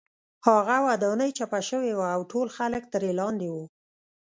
هغه ودانۍ چپه شوې وه او ټول خلک ترې لاندې وو